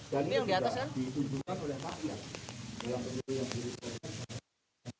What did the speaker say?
dan ini juga disinjukan oleh pak jokowi